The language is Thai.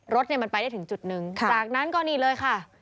รถเนี่ยมันไปได้ถึงจุดหนึ่งจากนั้นก็นี่เลยค่ะ